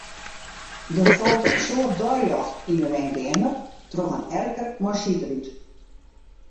Der falt in soad deiljocht yn 'e wenkeamer troch in erker mei sydrút.